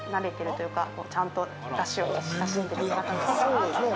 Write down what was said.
そうですね。